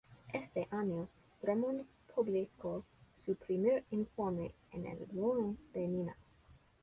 Este año, Drummond publicó su primer informe, en el Jornal de Minas.